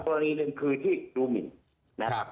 กรณีหนึ่งคือที่ดูหมินนะครับ